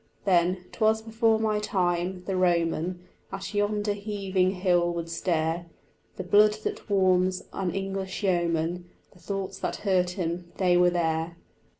Then, 'twas before my time, the Roman At yonder heaving hill would stare: The blood that warms an English yeoman, The thoughts that hurt him, they were there.